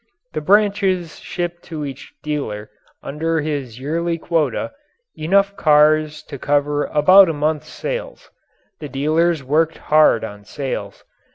The branches shipped to each dealer, under his yearly quota, enough cars to cover about a month's sales. The dealers worked hard on sales.